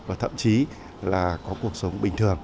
và thậm chí là có cuộc sống bình thường